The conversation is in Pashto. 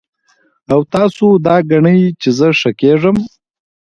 او تاسو دا ګڼئ چې زۀ ښۀ کېږم